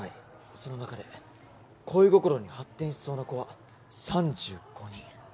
その中で恋心に発展しそうな子は３５人。